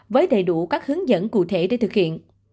với đầy đủ các hướng dẫn cụ thể để thực hiện